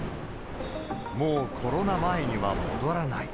もうコロナ前には戻らない。